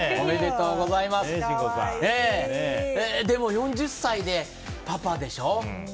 でも、４０歳でパパでしょ。